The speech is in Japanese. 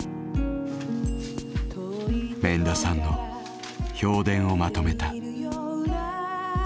免田さんの評伝をまとめた。